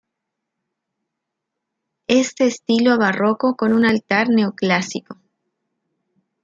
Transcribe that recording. Es de estilo barroco con un altar neoclásico.